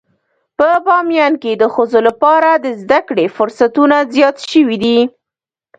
په باميان کې د ښځو لپاره د زده کړې فرصتونه زيات شوي دي.